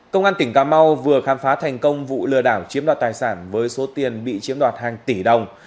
công an tỉnh cà mau vừa khám phá thành công vụ lừa đảo chiếm đoạt tài sản với số tiền bị chiếm đoạt hàng tỷ đồng